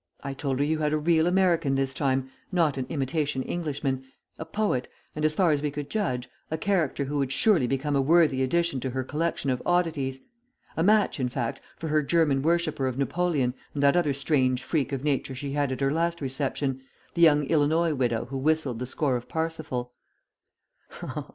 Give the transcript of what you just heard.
I told her you had a real American this time not an imitation Englishman a poet, and, as far as we could judge, a character who would surely become a worthy addition to her collection of oddities; a match, in fact, for her German worshipper of Napoleon and that other strange freak of nature she had at her last reception, the young Illinois widow who whistled the score of Parsifal."